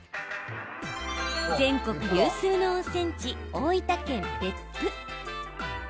全国有数の温泉地大分県別府。